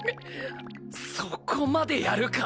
そこまでやるか？